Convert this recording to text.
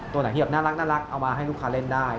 ตัวไหนที่แบบน่ารักเอามาให้ลูกค้าเล่นได้